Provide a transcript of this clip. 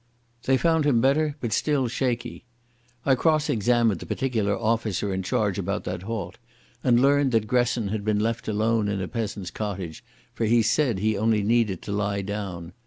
They found him better, but still shaky. I cross examined the particular officer in charge about that halt, and learned that Gresson had been left alone in a peasant's cottage, for he said he only needed to lie down.